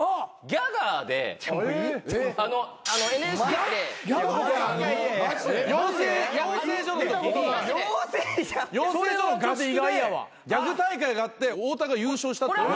ギャグ大会があって太田が優勝した。